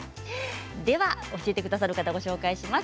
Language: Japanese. では、教えてくださる方をご紹介します。